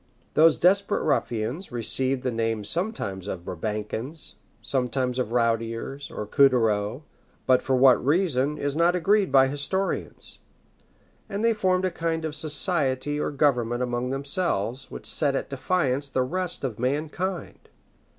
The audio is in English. Those desperate ruffians received the name sometimes of Brabançons, sometimes of Routiers or Cottereaux; but for what reason is not agreed by historians; and they formed a kind of society or government among themselves, which set at defiance the rest of mankind.